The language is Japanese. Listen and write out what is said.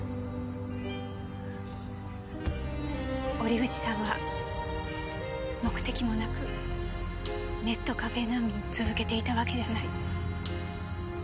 折口さんは目的もなくネットカフェ難民を続けていたわけではない。